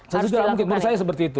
sesegera mungkin menurut saya seperti itu